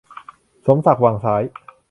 สมศักดิ์ วังซ้าย